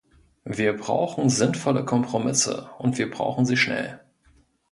Wir brauchen sinnvolle Kompromisse, und wir brauchen sie schnell.